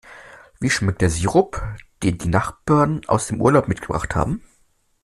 Wie schmeckt der Sirup, den die Nachbarn aus dem Urlaub mitgebracht haben?